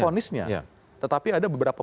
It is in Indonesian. tetapi ada beberapa pembukaan